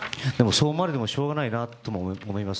そう思われてもしようがないなと思います。